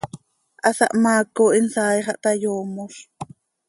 Hasahmaaco hin saai xah ta yoomoz.